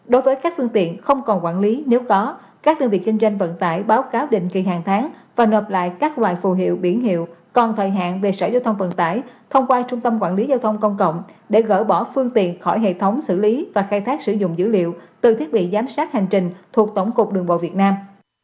đối với các phương tiện không còn quản lý nếu có các đơn vị kinh doanh vận tải báo cáo định kỳ hàng tháng và nộp lại các loại phù hiệu biển hiệu còn thời hạn về sở giao thông vận tải thông qua trung tâm quản lý giao thông công cộng để gỡ bỏ phương tiện khỏi hệ thống xử lý và khai thác sử dụng dữ liệu từ thiết bị giám sát hành trình thuộc tổng cục đường bộ việt nam